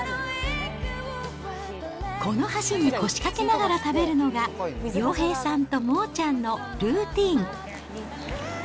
この橋に腰掛けながら食べるのが、洋平さんとモーちゃんのルーティン。